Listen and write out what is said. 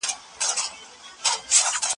روغتونونه به ناروغانو ته ښه خدمات وړاندې کوي.